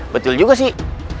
betul juga sih